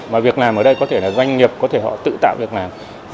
và việc làm ở đây có thể là doanh nghiệp có thể họ tự tạo việc làm